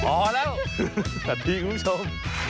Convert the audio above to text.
พอแล้วสวัสดีคุณผู้ชม